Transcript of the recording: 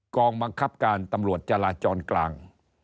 กองบังคับการตำรวจจราจรกลาง